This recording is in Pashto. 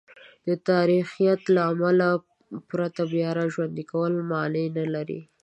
د تاریخیت له اصله پرته بیاراژوندی کول مانع نه لري.